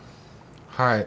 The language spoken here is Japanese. はい。